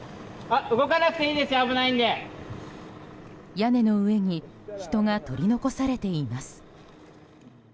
屋根の上に人が取り残されています。